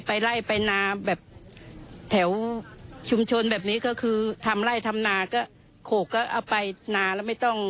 ไปไล่ไปนาแบบแถวชุมชนแบบนี้ก็คือทำไล่ทำนาก็โขกก็เอาไปนาแล้วไม่ต้อง